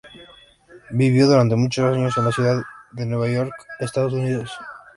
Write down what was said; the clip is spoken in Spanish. Vivió durante muchos años en la ciudad de Nueva York, Estados Unidos.